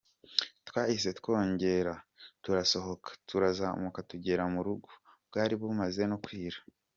Twahise twongera turasohoka, turazamuka tugera mu rugo, bwari bumaze no kwira.